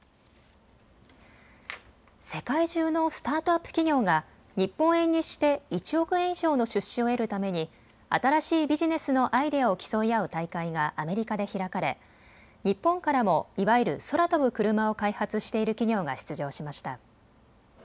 世界中のスタートアップ企業が日本円にして１億円以上の出資を得るために新しいビジネスのアイデアを競い合う大会がアメリカで開かれ、日本からもいわゆる空飛ぶ車を開発している企業が出場しました。